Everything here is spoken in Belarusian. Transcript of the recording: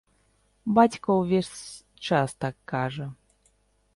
Бацька ўвесь час так кажа.